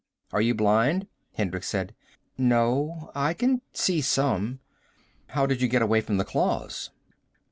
"Are you blind?" Hendricks said. "No. I can see some." "How do you get away from the claws?"